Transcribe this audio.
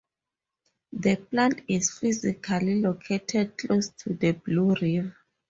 The plant is physically located close to the Blue River.